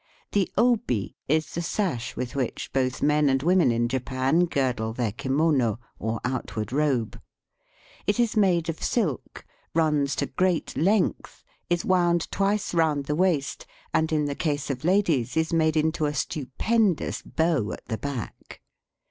The obi is the sash with which both men and women in Japan girdle their kimono, or out ward robe. It is made of silk, runs to great length, is wound twice round the waist, and in the case of ladies is made into a stupendous bow at the back.